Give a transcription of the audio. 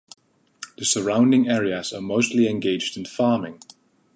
The surrounding areas are mostly engaged in farming.